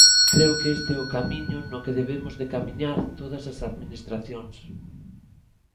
Creo que este é o camiño no que debemos de camiñar todas as administracións.